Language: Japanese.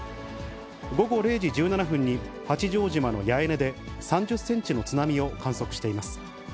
午後０時１７分に八丈島の八重根で３０センチの津波を観測しています。